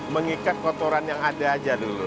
mengikat kotoran yang ada aja dulu